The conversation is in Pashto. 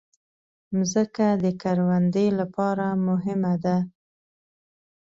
مځکه د کروندې لپاره مهمه ده.